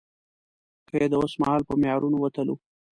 که يې د اوسمهال په معیارونو وتلو.